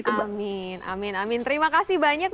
amin amin amin terima kasih banyak